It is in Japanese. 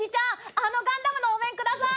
あのガンダムのお面ください！